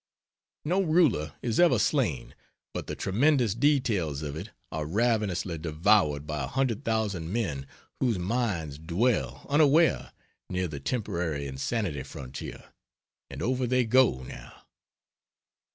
No Ruler is ever slain but the tremendous details of it are ravenously devoured by a hundred thousand men whose minds dwell, unaware, near the temporary insanity frontier and over they go, now!